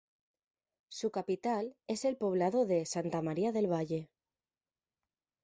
Su capital es el poblado de "Santa María del Valle".